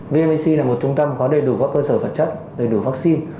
vnpc là một trung tâm có đầy đủ các cơ sở vật chất đầy đủ vaccine